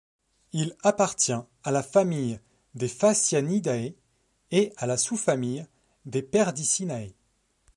Il appartient à la famille des Phasianidae et à la sous-famille des Perdicinae.